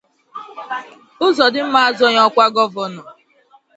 Uzodinma azọghị ọkwa gọvanọ.”.